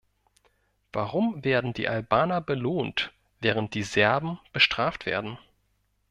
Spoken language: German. Warum werden die Albaner belohnt, während die Serben bestraft werden?